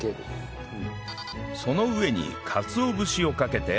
その上にかつお節をかけて